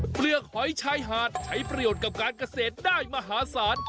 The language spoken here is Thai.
เปลือกหอยชายหาดใช้ประโยชน์กับการเกษตรได้มหาศาล